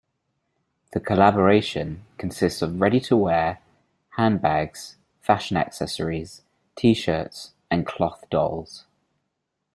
The collaboration consists of ready to wear, handbags, fashion accessories, T-shirts and cloth dolls.